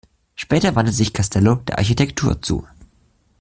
Später wandte sich Castello der Architektur zu.